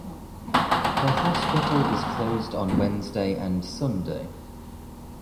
The hospital is closed on Wednesday and Sunday.